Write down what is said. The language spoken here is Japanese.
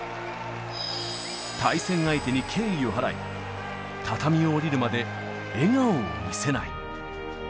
対戦相手に敬意を払い、畳を降りるまで笑顔を見せない。